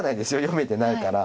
読めてないから。